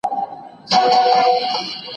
زده کوونکی وویل چې نوم یې هېر شوی.